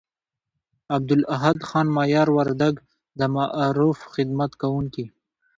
عبدالاحد خان مایار وردگ، د معارف خدمت کوونکي